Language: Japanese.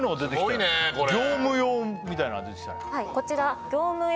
すごいねこれ業務用みたいなのが出てきたね